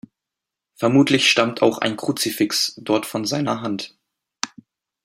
Vermutlich stammt auch ein Kruzifix dort von seiner Hand.